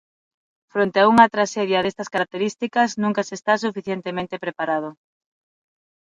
Fronte a unha traxedia destas características nunca se está suficientemente preparado.